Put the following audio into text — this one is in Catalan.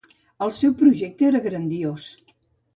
El seu projecte era grandiós.